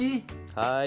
はい。